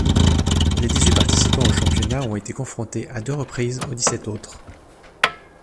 Les dix-huit participants au championnat ont été confrontés à deux reprises aux dix-sept autres.